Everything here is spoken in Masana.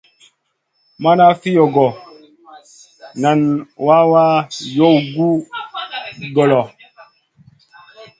Mana fiogo, nan wawa yow gu ŋolo.